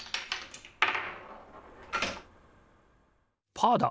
パーだ！